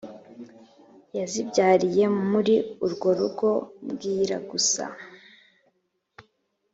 yazibyariye muri uru rugo bwira-busa